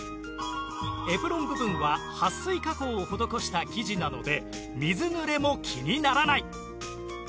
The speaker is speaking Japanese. エプロン部分ははっ水加工を施した生地なので水ぬれも気にならない